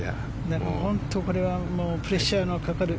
本当にこれはプレッシャーのかかる。